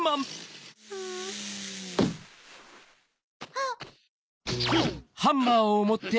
あっ！